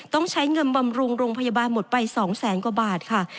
ต้องใช้เงินบำรุงโรงพยาบาลหมดไป๒แสนกว่าบาทค่ะ